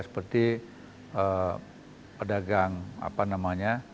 seperti pedagang apa namanya